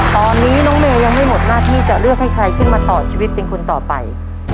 ตอนนี้น้องเมย์ยังไม่หมดหน้าที่จะเลือกให้ใครขึ้นมาต่อชีวิตเป็นคนต่อไป